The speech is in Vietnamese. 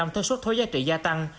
thuế thuế giá trị gia tăng